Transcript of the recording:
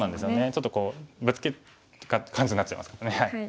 ちょっとこうブツケるって感じになっちゃいますからね。